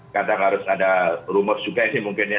kadang harus ada rumus juga ini mungkin ya